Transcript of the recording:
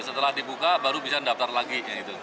setelah dibuka baru bisa daftar lagi